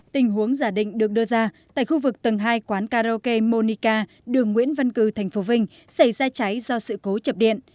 tình huống giả định được đưa ra tại khu vực tầng hai quán karaoke monica đường nguyễn văn cử tp vinh xảy ra cháy do sự cố chập điện